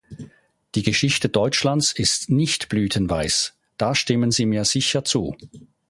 Die Geschichte Deutschlands ist nicht blütenweiß, da stimmen Sie mir sicher zu.